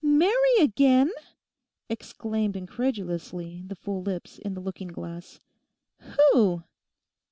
'"Marry again"!' exclaimed incredulously the full lips in the looking glass. 'Who?